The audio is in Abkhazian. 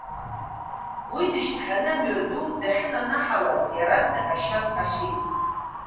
Уи дышьҭҟьаны амҩаду дахьынанаҳалаз, иаразнак ашьа нкашит.